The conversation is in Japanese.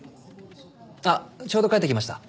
あっちょうど帰ってきました。